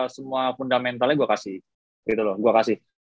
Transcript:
semua fundamentalnya gue kasih gitu loh gue kasih